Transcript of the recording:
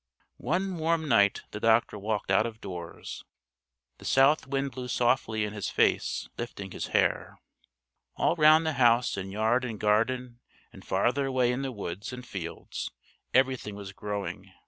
One warm night the doctor walked out of doors. The south wind blew softly in his face, lifting his hair. All round the house in yard and garden and farther away in the woods and fields everything was growing.